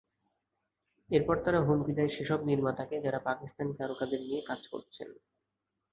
এরপর তারা হুমকি দেয় সেসব নির্মাতাকে, যাঁরা পাকিস্তানি তারকাদের নিয়ে কাজ করছেন।